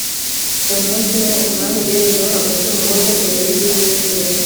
Uwo munsi ni wo umwami yerejeho hagati mu rugo rw’imbere y’inzu y’Uwiteka